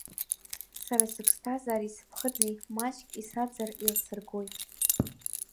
Сара сыԥсҭазаареи сыԥхыӡи Маҷк исаӡар, еилсыргоит.